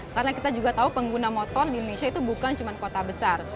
karena kita juga tahu pengguna motor di indonesia itu bukan cuma kota besar